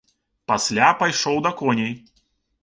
Пасля пайшоў да коней.